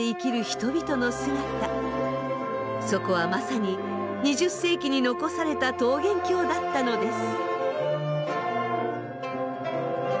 そこはまさに２０世紀に残された桃源郷だったのです。